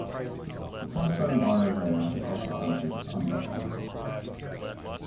The telephone wiring layout across the country was undocumented.